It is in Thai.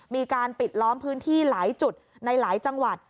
มีการปิดล้อมพื้นที่หลายจุดในหลายจังหวัด